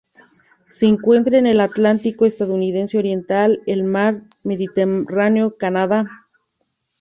Se encuentra en el Atlántico estadounidense oriental, el Mar Mediterráneo Canadá.